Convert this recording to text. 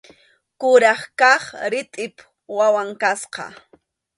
Kuraq kaq ritʼip wawan kasqa.